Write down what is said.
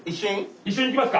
一緒にいきますか。